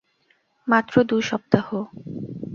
মাত্র দু সপ্তাহ।